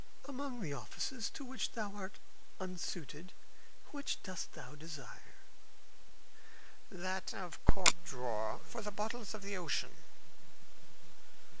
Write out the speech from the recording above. "Among the offices to which thou art unsuited, which dost thou desire?" "That of cork drawer of the bottles of the ocean."